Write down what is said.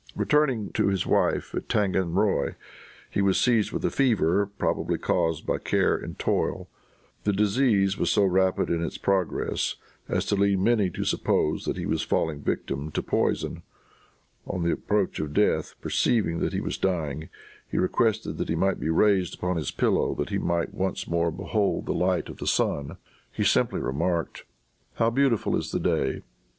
Returning to his wife at Tanganroy, he was seized with a fever, probably caused by care and toil. The disease was so rapid in its progress as to lead many to suppose that he was falling a victim to poison. On the approach of death, perceiving that he was dying, he requested that he might be raised upon his pillow, that he might once more behold the light of the sun. He simply remarked, "How beautiful is the day!"